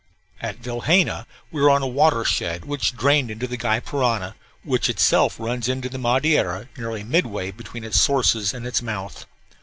At Vilhena we were on a watershed which drained into the Gy Parana, which itself runs into the Madeira nearly midway between its sources and its mouth.